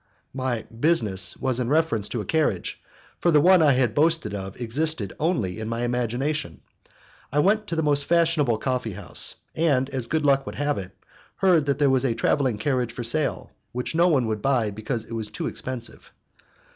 My business was in reference to a carriage, for the one I had boasted of existed only in my imagination. I went to the most fashionable coffee house, and, as good luck would have it, heard that there was a travelling carriage for sale, which no one would buy because it was too expensive.